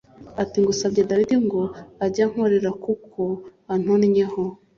ati “Ngusabye Dawidi ngo ajye ankorera kuko antonnyeho.”